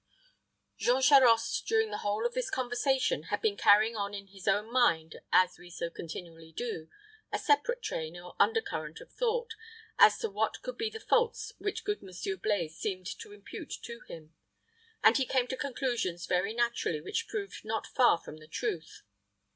Jean Charost, during the whole of this conversation, had been carrying on in his own mind, as we so continually do, a separate train or undercurrent of thought, as to what could be the faults which good Monsieur Blaize seemed to impute to him; and he came to conclusions very naturally which proved not far from the truth.